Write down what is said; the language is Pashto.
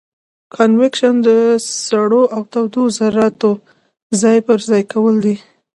کانویکشن د سړو او تودو ذرتو ځای پر ځای کول دي.